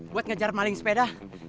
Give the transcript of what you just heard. buat ngejar maling sepeda